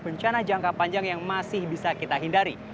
bencana jangka panjang yang masih bisa kita hindari